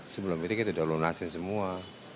sebelum itu kita udah lunasin semua